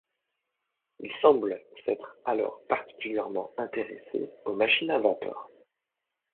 Il semble s'être alors particulièrement intéressé aux machines à vapeur.